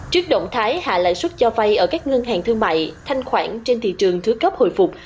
trước động thái hạ lại suất cho vay ở các ngân hàng thương mại thanh khoản trên thị trường thứ cấp hồi phục